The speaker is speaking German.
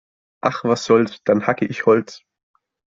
Ach, was soll's? Dann hacke ich Holz.